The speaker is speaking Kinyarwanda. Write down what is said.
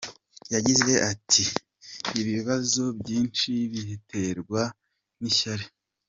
Yagize ati “Ibibazo byinshi biraterwa n’ishyari.